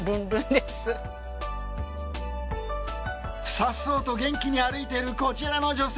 颯爽と元気に歩いているこちらの女性。